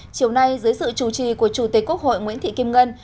chiều nay dưới sự chủ trì của chủ tịch quốc hội nguyễn thị kim ngân